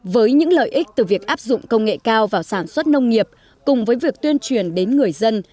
với những lợi ích từ việc áp dụng công nghệ cao vào sản xuất nông nghiệp cùng với việc tuyên truyền đến người dân